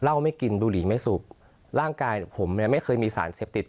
ไม่กินบุหรี่ไม่สุกร่างกายผมเนี่ยไม่เคยมีสารเสพติด